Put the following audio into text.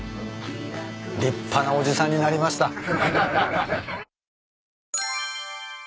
立派なおじさんになりました。